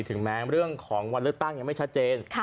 ถึงแม้เรื่องของวันเลือกตั้งยังไม่ชัดเจน